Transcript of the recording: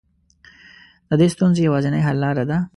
د دې ستونزې يوازنۍ حل لاره ده.